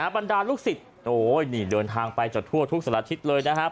บรรดาลูกศิษย์นี่เดินทางไปจากทั่วทุกสารทิศเลยนะครับ